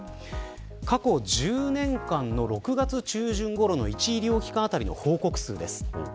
過去１０年間の６月中旬ごろの１医療機関あたりの報告数です。